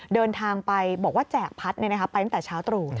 เดินทางไปบอกว่าแจกพัดไปตั้งแต่เช้าตรู่